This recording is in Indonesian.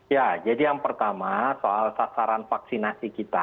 ya jadi yang pertama soal sasaran vaksinasi kita